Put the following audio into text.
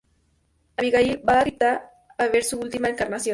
Abigail va a la cripta a ver su última encarnación.